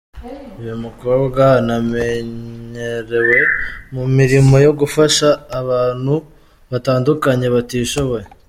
Uyu mukobwa anamenyerewe mu mirimo yo gufasha abantu batandukanye batishoboye.